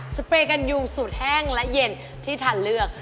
เปรย์กันยูสูตรแห้งและเย็นที่ทานเลือก